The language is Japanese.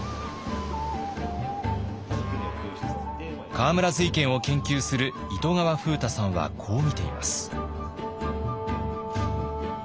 河村瑞賢を研究する糸川風太さんはこう見ています。